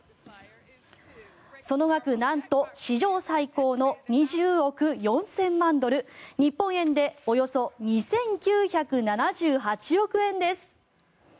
その額、なんと史上最高の２０億４０００万ドル日本円でおよそ２９７８億円です。